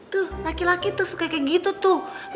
tuh laki laki tuh suka kayak gitu tuh